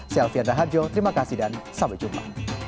saya alfian raharjo terima kasih dan sampai jumpa